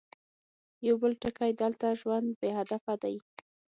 يو بل ټکی، دلته ژوند بې هدفه دی.